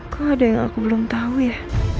kok ada yang aku belum tahu ya